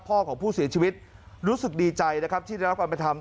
ของผู้เสียชีวิตรู้สึกดีใจนะครับที่ได้รับความเป็นธรรม